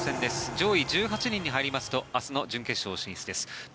上位１８人に入りますと明日の準決勝進出です。